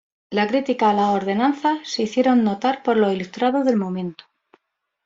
La crítica a las Ordenanzas se hicieron notar por los ilustrados del momento.